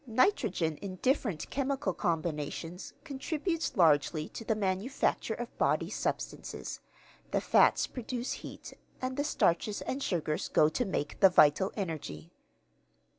Nitrogen in different chemical combinations contributes largely to the manufacture of body substances; the fats produce heat; and the starches and sugars go to make the vital energy.